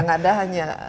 gak ada hanya